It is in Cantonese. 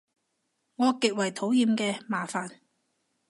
我極為討厭嘅麻煩